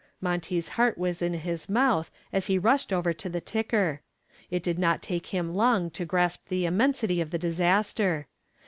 Monty's heart was in his mouth as he rushed over to the ticker. It did not take him long to grasp the immensity of the disaster.